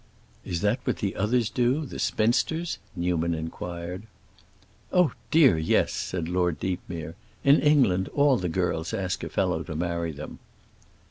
"Is that what the others do, the spinsters?" Newman inquired. "Oh dear, yes," said Lord Deepmere; "in England all the girls ask a fellow to marry them."